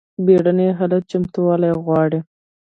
بیړني حالات چمتووالی غواړي